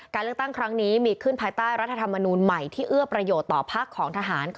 การเลือกตั้งครั้งนี้มีขึ้นภายใต้รัฐธรรมนูลใหม่ที่เอื้อประโยชน์ต่อพักของทหาร